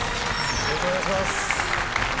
よろしくお願いします。